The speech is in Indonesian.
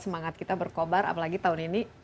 semangat kita berkobar apalagi tahun ini